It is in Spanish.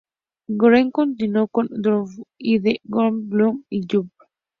Geffen continuó con "Double Fantasy" de John Lennon y Yoko Ono.